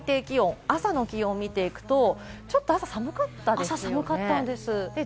まずは今日の最低気温、朝の気温を見ると、ちょっと朝、寒かったですよね。